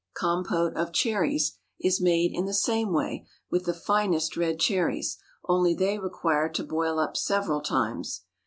Compote of Cherries is made in the same way, with the finest red cherries, only they require to boil up several times.